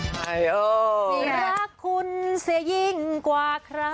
รักคุณเสียยิ่งกว่าใคร